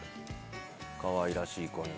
かわいらしい子に。